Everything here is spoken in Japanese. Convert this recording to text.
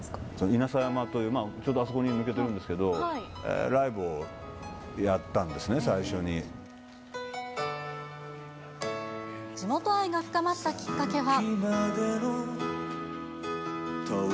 稲佐山というちょうどあそこにあるんですけど、ライブをやっ地元愛が深まったきっかけは。